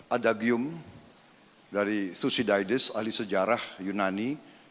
ada gium dari thucydides ahli sejarah yunani